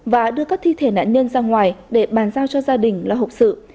và đưa các thi thể nạn nhân ra ngoài để bàn giao cho gia đình là hộp sự